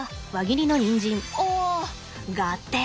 お合点！